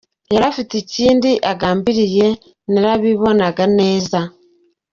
Yari afite ikindi agambiriye, narabibonaga neza.